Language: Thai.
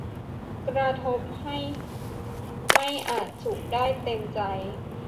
กระทบให้ไม่อาจสุขได้เต็มใจ